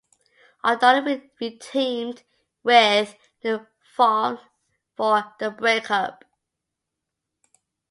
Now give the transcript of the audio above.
O'Donnell re-teamed with Vaughn for "The Break-Up".